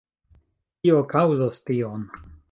Kio kaŭzas tion?